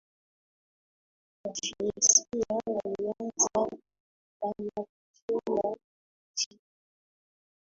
Wafinisia walianza kufika na kujenga miji yao